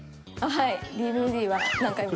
はい。